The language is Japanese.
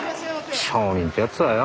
商人って奴はよ。